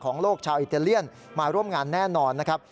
โลกชาวอิตาเลียนมาร่วมงานแน่นอนนะครับ